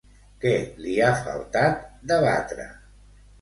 Què li ha faltat debatre?